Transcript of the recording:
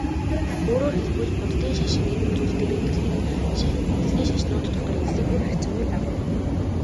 Өөрөөр хэлбэл, буддын шашин энэ үзүүлэлтээрээ дэлхийн шашнууд дотор эзлэх хувь харьцангуй бага юм.